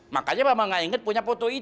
makanya mama enggak ingat punya foto ini